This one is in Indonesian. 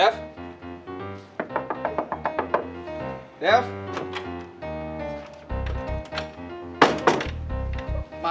abis itu bahk